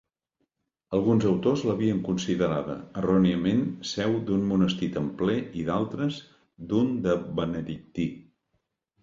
Alguns autors l'havien considerada, erròniament seu d'un monestir templer i d'altres, d'un de benedictí.